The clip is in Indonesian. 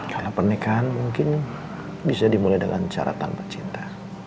karena pernikahan mungkin bisa dimulai dengan cara tanpa cinta